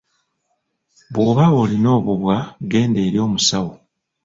Bw’oba olina obubwa genda eri omusawo.